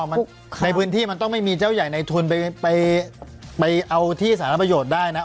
มันในพื้นที่มันต้องไม่มีเจ้าใหญ่ในทุนไปเอาที่สารประโยชน์ได้นะ